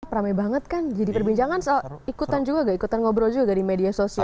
rame banget kan jadi perbincangan soal ikutan juga gak ikutan ngobrol juga di media sosial